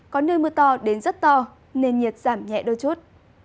có nơi mưa to đến rất to nền nhiệt giảm nhẹ đôi chút